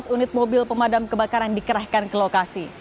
delapan belas unit mobil pemadam kebakaran dikerahkan ke lokasi